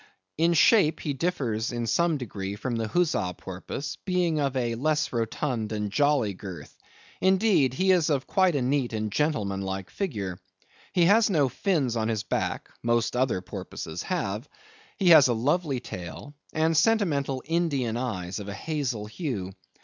In shape, he differs in some degree from the Huzza Porpoise, being of a less rotund and jolly girth; indeed, he is of quite a neat and gentleman like figure. He has no fins on his back (most other porpoises have), he has a lovely tail, and sentimental Indian eyes of a hazel hue.